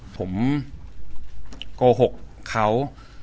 ผมโกหกเขา